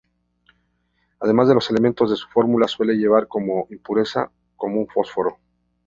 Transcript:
Además de los elementos de su fórmula, suele llevar como impureza común fósforo.